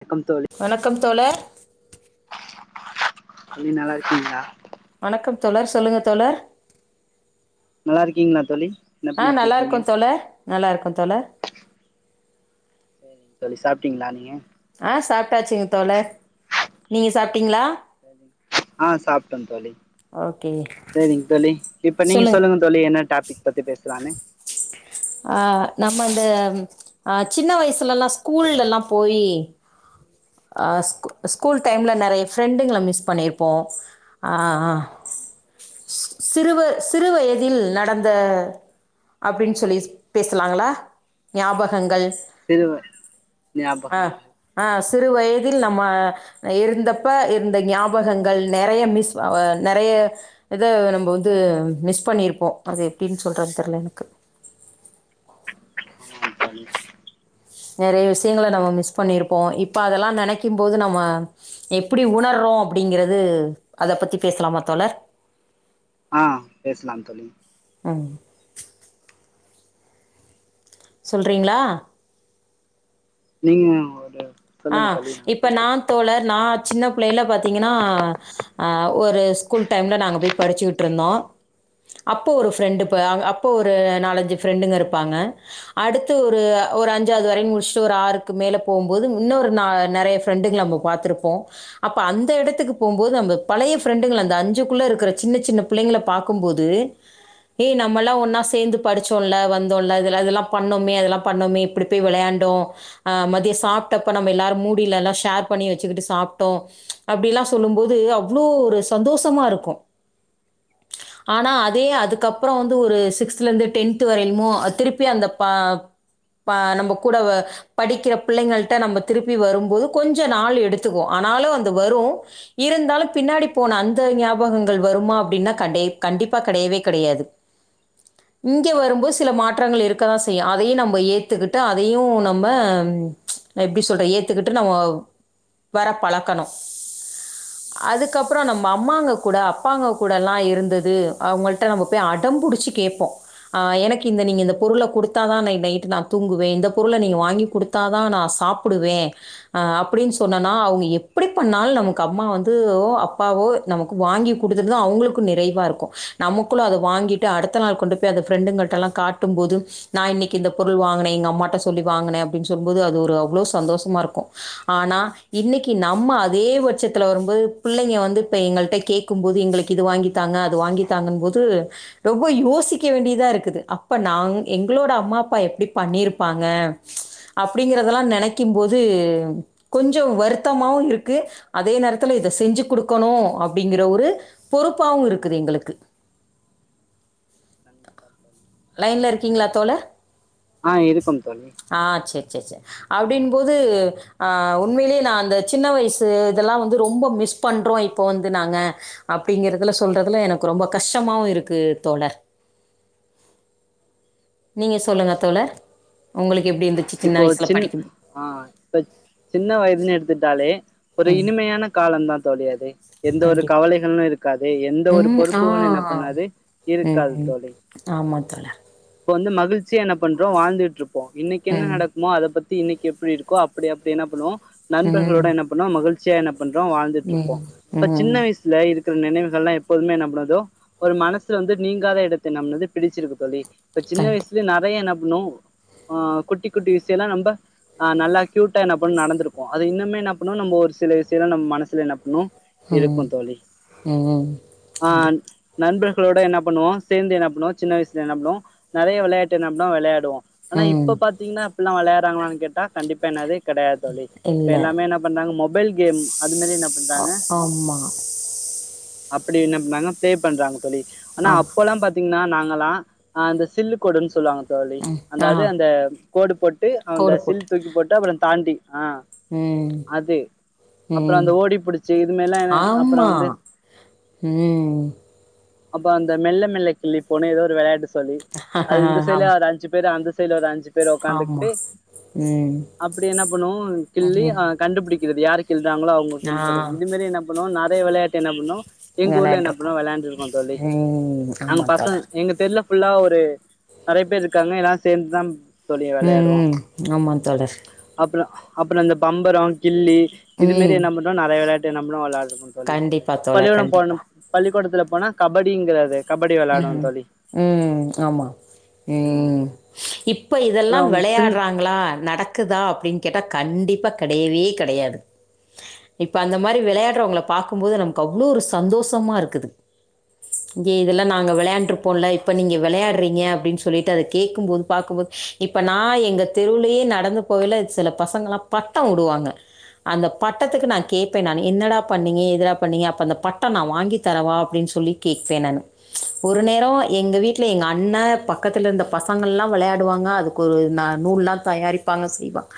வணக்கம் தோழி வணக்கம் தோழர் நீங்க நல்லாருக்கீங்ளா? வணக்கம் தோழர் சொல்லுங்க தோழர் லாருக்கீங்ளா தோழி என்ன ஆ பண்ணிட்டு இருக்கீங்க நல்லாருக்கோ தோழர் நல்லாருக்கோ தோழர் சரிங்க தோழி சாப்டீங்ளா நீங்க? ஆ சாப்டாச்சுங்க தோழர் நீங்க சாப்டீங்ளா? [inaudible] ஆ சாப்ட தோழி ஓகே சேரிங் தோழி இப்ப நீங்க சொல்லுங்க தோழி என்ன டாபிக் பத்தி பேசலானு அ நம்ம இந்த அ சின்ன வயசுலல்லா ஸ்கூல்லல்லா போயி அ ஸ்கு ஸ்கூல் டைம்ல நெறைய ஃப்ரெண்டுங்கள மிஸ் பண்ணிருப்போ ஆ கண்டிப்பா தோழி. சிறுவ சிறுவயதில் நடந்த அப்டின் சொல்லி பேசலாங்களா ஞாபகங்கள் சிறுவ ஆ ஞாபகங்கள் ஆ சிறு வயதில் நம்ம இருந்தப்ப இருந்த ஞாபகங்கள் நெறைய மிஸ் அ நெறைய இத நம்ம வ ந்து மிஸ் பண்ணிருப்போ அது எப்டின் சொல்றன் தெர்ல எனக்கு ஆமா தோழி நெறைய விஷ்யங்கள நம்ம மிஸ் பண்ணிருப்போ இப்ப அதெல்லா நெனைக்கும் போது நம்ம எப்பிடி உணர்றோ அப்புடிங்கிறது அத பத்தி பேசலாமா தோழர் ஆஹ் பேசலாம் தோழி ஆம் சொல்றீங்களா நீங்க ஒரு சொல்லுங்க ஆஹ் தோழி இப்ப சொல்றேன் நான் தோழர் நான் சின்ன பிள்ளை ல பாத்தீங்கனா அ ஒரு ஸ்கூல் டைம்ல நாங்க போய் படிச்சிட்டு இருந்தோம் அப்போ ஓரு ஃப்ரெண்டு ப அப்ப ஒரு நாலன்ஜு ஃப்ரெண்டுங்க இருப்பாங்க அடுத்து ஒரு அஞ்சாவது வரையும் முடுச்சுட்டு ஒரு ஆறுக்கு மேல போகும் போது இன்ன ஒரு நெறைய ஃப்ரெண்டுகள நம்ம பா்த்திருப்போம் அப்ப அந்த இடத்துக்கு போகும்போது நம்ம பழைய ஃப்ரெண்டு அந்த அஞ்சுக்குள்ள இருக்க சின்ன சின்ன பிள்ளைங்களை பார்க்கும்போது ஏ நம்மல்லாம் ஒன்னா சேர்ந்து படிச்சோம்ல வந்தோம்லெல்லாம் பண்ணோமே அதெல்லாம் பண்ணோமே இப்படி போய் வெளையாண்டோம் ஹ் மதியம் சா ப்ப நம்ம எல்லாரும் மூடியில எல்லாம் ஷேர் பண்ணி வச்சுக்கிட்டு சாப்பிட்டோம் அப்படி எல்லாம் சொல்லும் போது அவ்வளவு ஒரு சந்தோஷமா இருக்கும் ஆனா அதே கண்டிப்பா அதுக்கப்புறம் தோழி. வந்து ஒரு சிக்ஸ்துல இருந்து டென்த் வரையிலுமும் திருப்பி அந்த ப நம்ம கூட படிக்கிற பிள்ளைங்கள நம்ம திருப்பி வரும்போது கொஞ்சம் நாள் எடுத்துக்கும் ஆனாலும் அ வரும் இருந்தாலும் பின்னாடி போன அந்த ஞாபகங்கள் வருமா அப்படின்ன கண்டிப்பா கெடையவே கெடையாது இங்க வரும்போது சில மாற்றங்கள் கண்டி- இருக்க தான் செய்யும் அது அதையும் நம்ம ஏத்துக்கிட்டு அதையும் நம்ம எப்படி சொல்ற ஏத்துக்கிட்டு நம்ம வர பழக்கணும் அதுக்கப்புறம் நம்ம அம்மாங்க கூட அப்பாங்க கூடலாம் இருந்தது அவங்கள்ட நம்ம போய் அடம் பிடிச்சி கேட்போம் எனக்கு இந்த நீங்கள் இந்த பொருளை கொடுத்தாதா இன்னைக்கு நைட்டு நான் தூங்குவேன் இந்த பொருளை நீங்கள் வாங்கி கொடுத்தாதான் நான் சாப்பிடுவேன் அப்படின்னு சொன்னனா அவங்க எப்படி பண்ணாலும் நமக்கு அம்மா வந்து அப்பாவோ நமக்கு வாங்கி கொடுத்துருதான் அவங்களுக்கும் நிறைவா இருக்கும் நமக்குள்ள அதை வாங்கிட்டு அடுத்த நாள் கொண்டு போய் அதை ஃப்ரெண்டுங்களிட்ட எல்லாம் காட்டும் போது நான் இன்னைக்கு இந்த பொருள் வாங்கினேன் எங்க அம்மாட்ட சொல்லி வாங்கினேன் அப்படின்னு சொல்லபோது அது ஒரு அவ்வளவு சந்தோஷமா இருக்கும் ஆனா இன்னைக்கு நம்ம அதே பட்சத்துல வரும்போது பிள்ளைங்க வந்து இப்ப எங்களிட்ட கேட்கும் போது எங்களுக்கு இது வாங்கித்தாங்க அது வாங்கித்தாங்க போது ரொம்ப யோசிக்க வேண்டியதா இருக்குது அப்ப எங்களோட அம்மா அப்பா எப்படி பண்ணிருப்பாங்க அப்படிங்கதெல்லாம் நென நினைக்கும்போது கொஞ்சம் வருத்தமவும் இருக்கு அதே நேரத்துல இதை செஞ்சு கொடுக்கணும் அப்படிங்கிற ஒரு பொறுப்பாகவும் இருக்குது எங்களுக்கு கண்டிப்பா தோழி லைன்ல இருக்கீங்களா தோழர் ஆஹ் இருக்கோம் தோழி அப்படின் போது ஆஹ் உண்மையிலேயே நான் அந்த சின்ன வயசு இதெல்லாம் வந்து ரொம்ப மிஸ் பண்றோம் இப்ப வந்து நாங்க அப்படிங்கறதுல சொல்றதுல எனக்கு ரொம்ப கஷ்டமாவும் இருக்கு தோழர் நீங்க சொல்லுங்க தோழர் உங்களுக்கு எப்படி இருந்துச்சு சின்ன இப்போ வயசுல சின் படிக்கும்போது? ஆஹ் இப்ப சின்ன வயதுன்னு எடுத்துட்டாலே ஒரு ம். இனிமையான காலம்தான் தோழிஅது எந்த ஒரு கண்டிப்பா. கவலைகளும் இருக்காது எந்த ஒரு ம். ஆ. பொறுப்புகளும் என்ன பண்ணாது இருக்காது தோழி அ தோழர் இப்ப வந்து மகிழ்சிய என்ன பண்றோம் வாழ்ந்துட்டு இரு இன்னைக்கு என்ன ம். நடக்குமோ அதை பத்தி இன்னைக்கு எப்படி இருக்கோ அப்படி அப்படி என்ன பண்ணுவோம் நண்பர்களோட ம். என்ன பண்ணோம் மகிழ்ச்சி சேர்ன பண்றோம் வாழ்ந்துட்டு ம். இருப்போம் இப்ப சின்ன ம். வயசுல இருக் க்குற நினைவுகள் எல்லாம் எப்போதுமே நம்பனதோ ஒரு மனசு வந்து நீங்காத இடத்தை நம்னது பிடிச்சிருக்கு தோழி ப்ப சின்ன கண்டிப்பா. வயசுலே நெறைய என்ன ம்ஹ் குட்டி குட்டி விஷயம்லாம் நம்மஹ் நல்லா க்யூட்டா என்ன பண்ண நடந்திருக்கும் அது இன்னுமே என்ன பண்ணும் நம்ம ஒரு சில விஷயல்லாம் நம்ம மனசுல என்ன பண்ணும் ம். இருக்கும் தோழி ம். ஆஹ் கண்டிப்பா. நம்ப க்ளோட என்னா பண்ணுவோ சேர்ந்து என்னா பண்ணுவோ சின்ன வயசுல என்னா பண்ணுவோ நெறய விளையாட்டு நம்ளா வெளயாடுவோ ஆனா ம். இப்ப பாத்தீங்கனா எல்லா வெளயாறாங்களான்னு கேட்டா கண்டிப்ப என்னாது கெடயாது தோழி இப்ப இல்ல. எல்லாமே என்ன பண்றாங்க மொபைல் கேம் அது மாரி என்ன ஆ பண்றாங்க ஆமா. அப்டி என்ன பண்ணாங்க பே பண்றாங்க தோழி ஆனா ஆமா அப்பல்லா பாத்தீங்கனா நாங்களா அந்த சில்லு கோடுன்னு சொல்வாங்க தோழி ம் அந்த ஆ அது அந்த கோடு போட் டு அந்த சில் தூக்கி போட்டு அப்றோ தாண்டி ஆ உம் அது அப்புறோ உம் அந்த ஓடி புடிச்சு இதுமாரிலா என்ன அப்புறோ ஆமா வந்து உம் அப்ப அந்த மெல்ல மெல்ல கிள்ளி போன்ன ஏதோ ஒரு விளையாட்டு தோழி அது இந்த சைடுல ஆமா அத அஞ்சு பேர் அந்த சைட்ல ஒரு அஞ்சு பேர் ஆமா உக்காந்துகிட்டு ம் அப்டி என்ன பண்ணுவோ கிள்ளி ம் ஆ கண்டுபிடிக்க இது வியாருக் கில்ட்ராங்களோ ஆ அவுங்க இது மாரி என்ன பண்ணுவாங்க நா வெளயாட்டு என்ன பண்ணு எங்க ஊர்ல என்ன பண்ணா வெளையாண்ட்ருக்கோ விளையாண்டு இருக்கோ தோழி ம் அங்க ஆமா பசங்க தோழர் எங்க தெருல ஃபுல்லா ஒரு நெறய பேர் இருக்காங்க எல்லா சேந்துதா உம் உம் ஆமா தோழர் அப்ற அந்த பம்பர கிள்ளி இது மாரி ம் என்ன பண்றாங்க நெறய வெளயாட் நம்பலு வெளயா இருக்கு தோழி கண்டிப்பா தோழர் பள்ளிக்கூட போணு கண்டிப்பா பள்ளிக்கூடத்ல போனா கபடிங்கிறது கபடி விளையாடுவோம் ம் தோழி ம் ஆமா உம் ம் இப்ப இதெல்லா அப்புறம் சின் விளயாடறாங்களா நடக்குதா அப்பிடின்னு கேட்டா கண்டிப்பா கெடையவே கெடையாது இப்ப அந்த மாரி விளையாடுறவங்கள பாக்கும்போது நமக்கு அவ்ளோ சந்தோஷமா இருக்குது இங்கே இதெல்லா நாங்க விளையாண்டுருப்போல இப்ப நீங்க விளையாடுறீங்க அப்பிடின்னு சொல்லிட்டு அத கேட்கு போது பாக்கும்போது இப்ப நா எங்க தெருவுலயே நடந்து போகல சில பசங்களா பட்டொவுடுவாங்க அந்த பட்டத்துக்கு நா கேட்பே நானு என்னடா பண்ணீங்க ஏதுடா பண்ணீங்க அப்ப அந்த பட்டொநா வாங்கி தரவா அப்பிடினு சொல்லி கேப்பே நானு ஒரு நேரோ எங்க வீட்ல எங்க அண்ண பக்கத்துல இருந்த பசங்களா விளையாடுவாங்க அதுக்கு ஒரு ந நூல்லா தயாரிப்பாங்க செய்வாங்க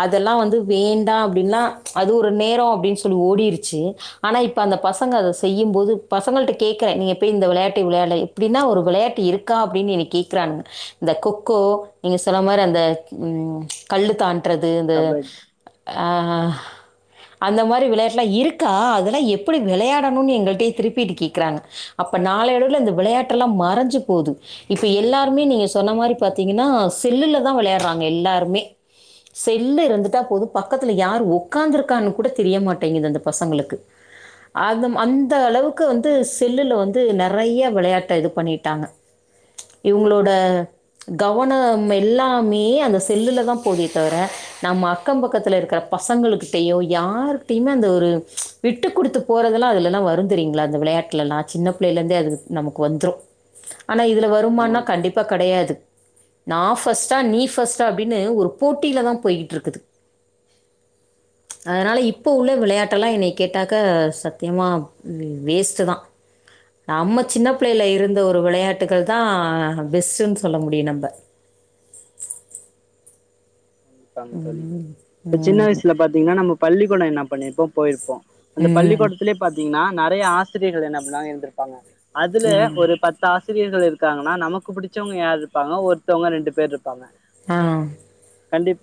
அதெல்லா வந்து வேண்டா அப்பிடின்னா அது ஒரு நேரோ அப்பிடி சொல்லி ஓடிரிச்சி ஆனா இப்ப அந்த பசங்க அத செய்யு போது பசங்கள்ட்ட கேக்குறே நீ எப்பி இந்த விளையாட்ட விளையாட இப்பிடின்னா ஒரு விளையாட்டு இருக்கா அப்பிடின் என்ன கேக்கிறானுங்க இந்த கொக்கோ நீங்க சொன்ன மாரி அந்த ம் கள்ளுத்தான் ட்றது இந்த கபட் ஆ அந்த மாரி விளையாட்டுலா இருக்கா அதெல்லா எப்பிடி விளையாடணுன்னு எங்களுட்டயே திருப்பிட்டு கேக்குறாங்க அப்ப நாளைய அளவுல இந்த விளையாட்டல்லா மறைஞ்சு போது இப்ப எல்லாருமே நீங்க சொன்ன மாரி பாத்தீங்கன்னா செல்லுலதா விளையாறாங்க எல்லாருமே செல்லு இருந்துட்டா போது பக்கத்துல யார் உக்காந்துருக்கான்னு கூட தெரியமாட்டேங்குது அந்த பசங்களுக்கு அத அந்த அளவுக்கு வந்து செல்லுல வந் த் நெறைய விளையாட்ட இது பண்ணிட்டாங்க இவுங்களோட கவனம் எல்லாமே அந்த செல்லுலதா போதே தவிர நம்ம அக்கம் பக்கத்துல இருக்கிற பசங்களுக்கிட்டயோ யாருகிட்டையுமே அந்த ஒரு விட்டு குடுத்து போறதெல்லா அதுலல்லா வரு தெரியுங்களா அந்த விளையாட்டுலலா சின்னப் பிள்ளையிலருந்தே அது நமக்கு வந்துரு ஆனா இதுல வருமானா ஆமாம் தோழி கண்டிப்பா கடையாது நா ஃபஸ்ட்டா நீ ஃபஸ்ட்டா அப்பிடின்னு ஒரு போட்டிலதா போய்ட்டு இருக்குது அதனால இப்ப உள்ள விளையாட்டலா என்னைய கேட்டாக்க சத்தியமா வேஸ்ட்டுதா நம்மத் சின்ன பிள்ளையில கண்டிப்பா இருந்த தோழி ஒரு விளையாட்டுக்கள் தா ஆ பெஸ்டுன் சொல்ல முடியு நம்ப ட்டாங் தோழிப் சின்ன ம். வயசுல பாத்தீங்கன்னா நம்ம பள்ளிக்கூட என்ன பண்ணிருப்போ போயிருப் போ அந்த ம். பள்ளிக்கூடத்திலயே பாத்தீங்கன்னா நெறைய ஆஸ் த்தியர்கள் என்ன [unintelligible] இருந்திருப்பாங்க அதுல ஒரு பத்து ஆ சிரியர்கள் இருக்காங்கன்னா நமக்கு புடிச்சவங்க யார் இருப்பாங்க ஒருத்தவங்க ரெண்டு பேர் இருப்பாங்க ஆ கண்டிப்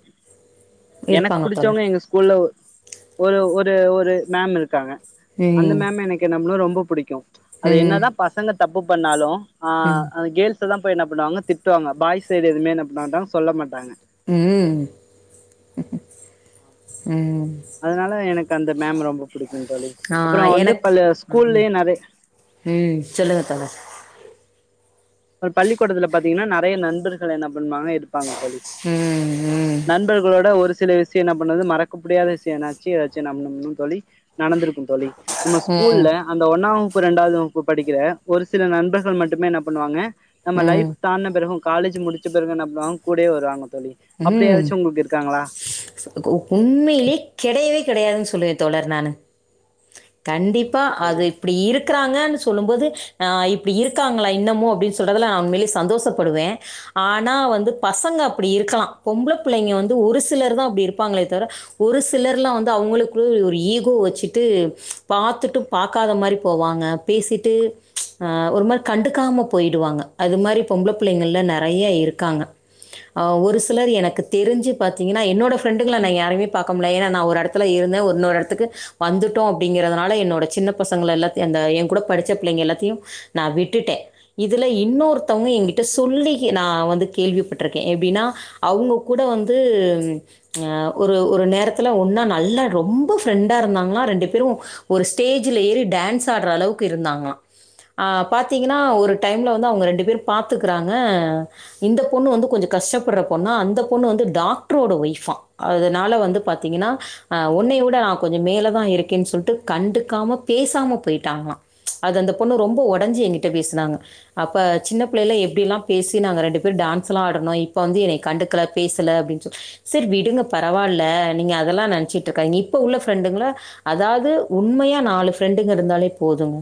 எனக்கு இருப்பாங்க தோழர். புடிச்சவங்க எங்க ஸ்கூல்ல ஒரு ஒரு ஒரு மேம் இருக்காங்க அந்த ம். மேம் எனக்கு என்னான்னு ரொம் பூ புடிக்கு அது ம். என்னதா பசங்க தப்பு பண்ணாலு ஆ ம். அது கேல்ஸ் த்தா போய் என்ன பண்ணுவாங்க திட்டுவாங்க பாய்ஸ் சைடு எதுமே பண்ணாங்க சொல்ல மாட்டாங்க ம் ம் அதனால எனக் அந்த மேம் ரொம்ப புடிக் ஆ எனக்கு நெறை ம் சொல்லுங்க தோழர் ஒரு பள்ளிக்கூடத்துல பாத்தீங்கன்னா நெறைய நண்பர்கள் என்னப் ஒன்னாவே இருப்பாங்க தோழி ம். ம். நண்பர்களோட ஒருஸ் சில விஷ்யோ என்ன பண்ணுது மறக்க முடியாத விஷ்யோ என்னாச்சு எதாச்சுன்னா [unintelligible] தோழி நடந்துரு க்குந் தோழி நம்ம ம். ஸ்கூல்ல அந்த ஒன்னா வகுப் இரண்டாவது வகுப்பு படிக்கிற ஒரு சில நண்பர்கள் மட்டுமே என்ன பண்ணுவாங்க நம்ம ம். லைஃப் தான்ன பிறகு காலேஜ் முடுச்ச பெறகு என்ன பண்ணுவாங்க கூடயே வருவாங்க தோழி ம் அப்படியாச்சு உங்களுக்கு இருக்காங்களா உண்மையிலயே கெடையவே கெடையாதுன்ஸ் சொல்லுவே தோழர் நானு கண்டிப் ப்பா தோழி அது இப்டி இருக்குறாங்கன் சொல்லும்போது அ இப்டி இருக்காங்களா இன்னமு அப்டின் சொல்ரதுல்லா உண்மையிலயே சந்தோஷப்படுவே ஆனா வந்து பசங்க அப்டி இருக்கலா பொம்பள புள்ளைங்க வந்து ஒரு சிலர் தா அப்டி இருப்பாங்களே தவுர ஒரு சிலர்ல்லா வந்து அவங்களுக்குள்ள ஒரு ஈகோ வெச்சுட்டு பாத்துட்டு பாக்காத மாரி போவாங்க பேசிட்டு அ ஒரு மாரி கண்டுக்காம போயிடுவாங்க அது மாரி பொம்பள புள்ளைங்கள்ல நெறைய இருக்காங்க அ ஒருஸ் சிலர் எனக்கு தெருஞ்சு பாத்தீங்கன்னா என்னோட ஃப்ரெண்டுகள்ல நா யாரையுமே பாக் க்க முடில ஏன்னா நா ஒரு எடத்துல இருந்த இன்னொரு எடத்துக்கு வந்துட்டோ அப்டிங்கிறதுதுனால என்னோட சின்ன பசங்கள எல்லாத்தையு அந்த எ கூட படிச்ச பிள்ளைங்க எல்லாத்தையு நா விட்டுட்டே இதுல இன்னொருத்தவங்க எங்கிட்ட சொல்லி நா வந்து கேள்விப்பட்டிருக்கே எப்டின்னா அவங்க கூட வந்து அ ஒரு ஒரு நேரத்துல ஒன்னா நல்லா ரொம்ப ஃப்ரெண்டா இருந்தாங்களா ரெண்டு பேரு ஒரு ஸ்டேஜ்ஜில ஏறி டேன்ஸ் ஆடுற அளவுக்கு இருந்தாங்களா ஆ பாத்தீங்கன்னா ஒரு டைம்ல வந்து அவங்க ரெண்டு பேரு பாத்துக்குறாங்க இந்த பொண்ணு வந்து கொஞ்சோ கஷ்டப்படுற பொண்ணா அந்த பொண்ணு வந்து டாக்டரோட ஒய்ஃப் ஆ அதனால வந்து பாத்தீங்கன்னா உன்னைய உட நா கொஞ்சோ மேலதா இருக்கேன் சொல்ட்டு கண்டுக்காம பேசாம போயிட்டாங்களா அது அந்த பொண்ணு ரொம்ப ஒடஞ்சு எங்கிட்ட பேசுனாங்க அப்ப சின்ன புள்ளைல எப்டியெல்லா பேசி நாங்க ரெண்டு பேரு டேன்ஸ்ல்லா ஆடுனோ இப்ப வந்து எனைக் கண்டுக்கல பேசல அப்டின்சு செரி விடுங்க பரவால்ல நீங்க அதெல்லா நெனச்சுட்டு இருக்காதீங்க இப்ப உள்ள ஃப்ரெண்டுங்களா அதாவது உண்மையா நாலு ஃப்ரெண்டுங்க இருந்தாலே போதுங்க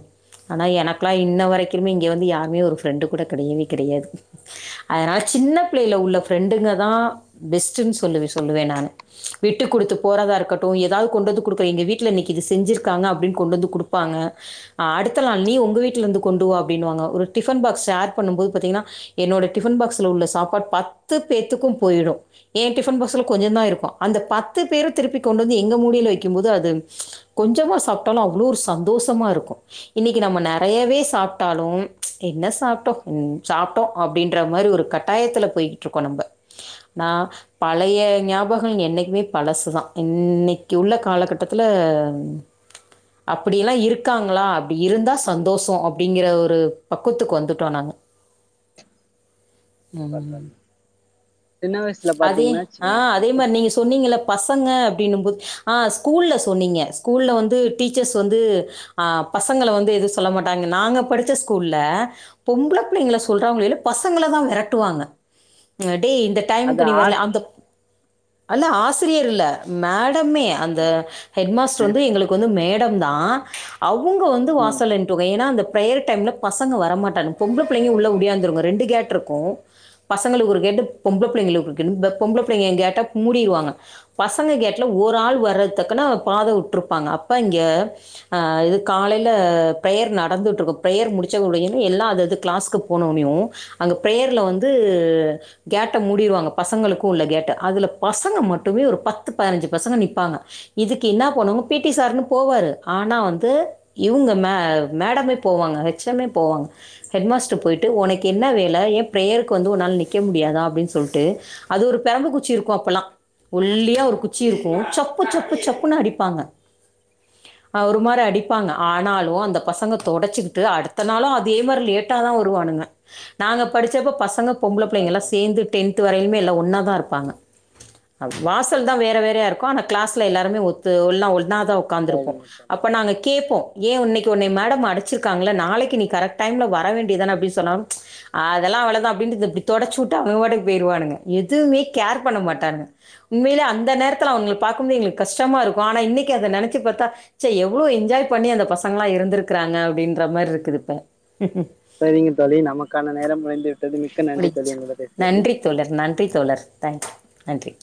ஆனா எனக்குளா இன்ன வரைக்குமே இங்க வந்து யாருமே ஒரு ஃப்ரெண்டு கூட கெடையவே கெடையாது அதனால சின்ன புள்ளைல உள்ள ஃப் ஃப்ரெண்டுங்கதா பெஸ்ட்ன் சொல்லுவே சொல்லுவே நானு விட்டு குடுத்து போறதா இருக்கட்டு ஏதாவது கொண்டு வந்து குடுக்குற எங்க வீட்ல இன்னிக்கு இது செஞ்சுருக்காங்க அப்டின் கொண்டு வந்து குடுப்பாங்க அ அடுத்த நாள் நீ உங்க வீட்ல இருந்து கொண்டுவா அப்டின்னுவாங்க ஒரு டிஃபன் பாக்ஸ் ஷேர் பண்ணும் போது பாத்தீங்கன்னா என்னோட டிஃபன் பாக்ஸ்ல உள்ள சாப்பாடு பாத் பத்து பேர்த்துக்கும் போயிடு ஏ டிஃபன் பாக்ஸுல கொஞ்சந்தா இருக்கு அந்த பத்து பேரு திருப்பி கொண்டு வந்து எங்க மூடியில வெக்கிம்போது அது கொஞ்சமா சாப்டாலு அவ்ளோ ஒரு சந்தோஷமா இருக்கு இன்னிக்கி நம்ம நெறையவே சாப்டாலு என்ன சாப்டோ ம் சாப்டோ அப்டின்ற மாரி ஒரு கட்டாயத்துல போயி ட்ருக்கோ நம்ப நா பழைய ஞாபகோ என்னைக்குமே பழசுதா இன்னைக்கு உள்ள காலகட்டத்துல அப்டியெல்லா இருக்காங்களா அப்டி இருந்தா சந்தோஷோ அப்டிங்கிற ஒரு பக்குவத்துக்கு வந்துட்டோ நாங்க ம் சின்ன வயசுல அதே பாத்தீங்கன்னா ஆ அதே வச்சுங்க மாரி நீங்க சொன்னீங்கள்ல பஸ் பசங்க அப்டின்னும் போது ஆ ஸ்கூல்ல சொன்னீங்க ஸ்கூல்ல வந்து டீச்சர்ஸ் வந்து பசங்கள வந்து எது சொல்ல மாட்டாங்க நாங்க படுச்ச ஸ்கூல்ல பொம்பள புள்ளைங்கள சொல்றவங்கள எல்லா பசங்களதா மெரட்டுவாங்க ம் டேய் இந்த அது டைமுக்கு நீ ஆ வர்ல அந்த அல்ல ஆசிரியர் இல்ல மேடு ந்தமே அந்த ஹெட் மாஸ்டர் வந்து எங்களுக்கு வந்து மேடு ட்டுந்தா அவு ங்க வந்து ம் வாசல்ல நின்ட்டுக ஏன்னா அந்த ப்ரேயர் டைம்ல பசங்க வரமாட்டாங்க. பொம்பள பிள்ளைங்க உள்ள ஒடியாந்துருங்க ரெண்டு கேட் இருக்கு பசங்களுக்கு ஒரு கேட்டு பொம்பள புள்ளைங்களுக்குன் பொம்பள புள்ளைங்க கேட்டா மூடிடுவாங்க பசங்க கேட்ல ஒரு ஆள் வர்றது தக்குன்னா பாத உட்ருப்பாங்க அப்ப இங்க ஆ இது காலைல பிரேயர் நடந்துட்டு இருக்கு பிரேயர் முடுச்ச உடையனே எல்லா அது அது கிளாஸ்க்கு போன உனயு அங்க பிரேயர்ல வந்து கேட்ட மூடிருவாங்க பசங்களுக்கு இல்ல கேட்ட அதுல பசங்க மட்டுமே ஒரு பத்து பதினஞ்சு பசங்க நிப்பாங்க இதுக்கு என்ன போனுங்க பீட்டி சாருன்னு போவாரு ஆனா வந்து இவங்க மே மேடமே போவாங்க ஹெச் ச மே போவாங்க ஹெட் மாஸ்டர் போயிட்டு உனக்கு என்ன வேல ஏ பிரேயருக்கு வந்து உன்னால் நாள் நிக்க மு முடியாதா அப்டின் சொல்ட்டு அது ஒரு பெரம்பு குச்சி இருக்கு அப்பல்லா ஒல்லாயா ஒரு குச்சி இருக்கு சப்பு சப்பு சப்புன்னு அடிப்பாங்க அ ஒரு மாரி அடிப்பாங்க ஆனாலு‌ அந்த பசங்க தொடச்சுக்கிட்டு அடுத்த நாளு அதே மாரி லேட்டதா வருவானுங்க நாங்க படுச்சப்போ பசங்க பொம்பள கண்டிப்பா புள்ளைக தோழி எல்லா டென்த்து வரையிலுமே எல்லா ஒன்னாதா இருப்பாங்க. ஆ வாசல்தா வேற வேறயா இருக்கு ஆனா கிளாஸ்ல எல்லாருமே ஒத்து எல்லா ஒண்ணா தா உக்காந்துருப்போ சரிங்க தோழி அப்ப நாங்க கேப்போ ஏ உன்னைக்கி உன்னய மேடம் அடிச்சிருக்காங்கல்ல நாளைக்கி நீ கரெக்ட் டைம்ல வர வேண்டியதான அப்டின்னு சொன்னாலு அதல்லா அவ்ளதா அப்டின்ட்டு இந்த இப்டி தொடச்சு விட் டு அவங்க பாட்டுக்கு போயிருவானுங்க எதுவுமே கேர் பண்ண சரிங்க மாட்டாங்க உண்மையிலே அந்த நேரத்துல அவங்கள பாக்கும்போது எங்களுக்கு கஷ்டமா இருக்கும ஆனா இன்னைக்கி அத நெனைச்சு பாத்தா ச்சே எவ்ளோ என்ஜாய் பண்ணி அந்த பசங்கல்லா இருந்திருக்கிறாங்க அப்டின்ற மாரி இருக்குது இப்ப சரிங்க தோழி நமக்கான நேரம் முடிந்துவிட் முடிஞ்ச்சா நன்றி தோழர் நன்றி தோழர் தேங்க்யூ நன்றி